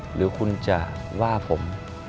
หรือคุณจะว่าผม